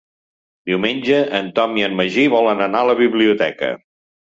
Diumenge en Tom i en Magí volen anar a la biblioteca.